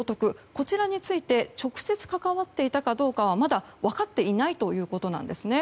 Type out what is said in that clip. こちらについて直接関わっていたかどうかはまだ分かっていないということなんですね。